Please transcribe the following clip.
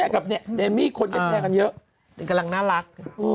กำลังน่ารัก